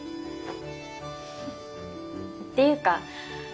っていうか